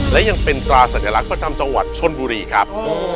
และยังเป็นตราสัญลักษณ์ประจำจังหวัดชนบุรีครับ